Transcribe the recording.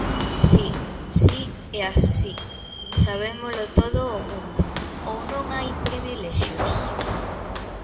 Si, si, é así, sabémolo todo o mundo, ¿ou non hai privilexios?